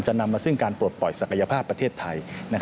นำมาซึ่งการปลดปล่อยศักยภาพประเทศไทย